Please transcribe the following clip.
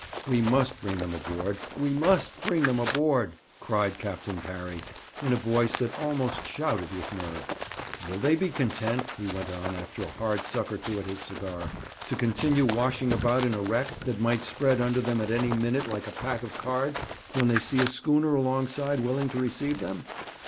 'We must bring them aboard we must bring them aboard!' cried Captain Parry, in a voice that almost shouted with nerve. 'Will they be content,' he went on after a hard suck or two at his cigar, 'to continue washing about in a wreck that might spread under them at any minute like a pack of cards when they see a schooner alongside willing to receive them?'